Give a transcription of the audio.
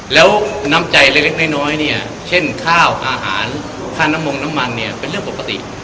แล้วน้ำใจเล็กน้อยเนี่ยเช่นข้าวอาหารค่าน้ำมงน้ำมันเนี่ยเป็นเรื่องปกติ